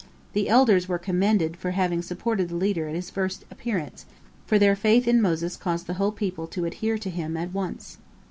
The elders were commended for having supported the leader at his first appearance, for their faith in Moses caused the whole people to adhere to him at once.